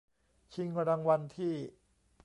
ชิงรางวัลที่